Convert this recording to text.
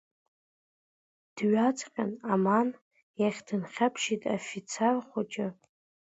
Дҩаҵҟьан Амаан иахь дынхьаԥшит афицар хәыҷ.